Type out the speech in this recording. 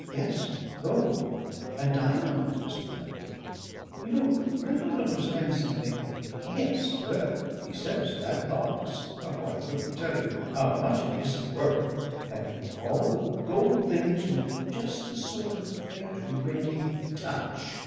Yes, gold and diamonds, Mr. Melville. You know Randolph understands something Yes, well he says that box oh! I couldn't tell you how much it isn't worth! And all the gold things with just a sort of faint reddy touch....